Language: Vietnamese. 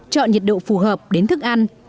chọn nhiệt độ phù hợp đến thức ăn